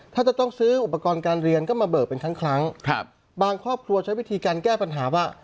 ถ้าจะต้องซื้ออุปกรณ์การเรียนก็มาเบิกเป็นครั้งครั้งครับบางครอบครัวใช้วิธีการแก้ปัญหาว่า